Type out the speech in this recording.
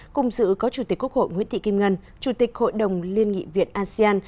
cùng sự có chủ tịch quốc hội nguyễn thị kim ngân chủ tịch hội đồng liên nghị việt asean